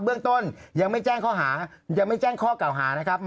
เบื้องต้นยังไม่แจ้งข้อเก่าหา